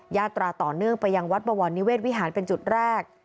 ยาตราต่อเนื่องไปยังวัดบวรนิเวศวิหารเป็นจุดแรก